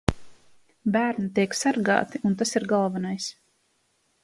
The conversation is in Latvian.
Bērni tiek sargāti. Un tas ir galvenais.